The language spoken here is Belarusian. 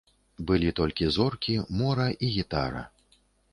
Былі толькі зоркі, мора і гітара.